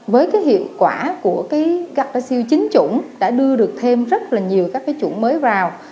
với cái hiệu quả của cái gạt ra siêu chín chủng đã đưa được thêm rất là nhiều các cái chủng mới vào